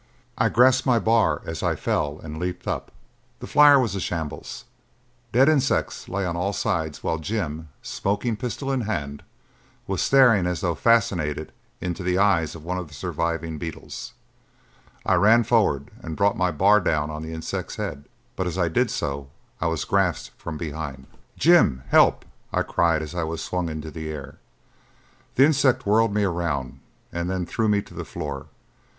I grasped my bar as I fell and leaped up. The flyer was a shambles. Dead insects lay on all sides while Jim, smoking pistol in hand, was staring as though fascinated into the eyes of one of the surviving beetles. I ran forward and brought my bar down on the insect's head, but as I did so I was grasped from behind. "Jim, help!" I cried as I was swung into the air. The insect whirled me around and then threw me to the floor.